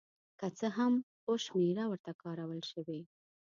که څه هم اوه شمېره ورته کارول شوې.